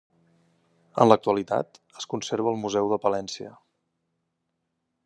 En l'actualitat, es conserva al Museu de Palència.